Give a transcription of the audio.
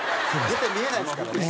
絶対見えないですからね。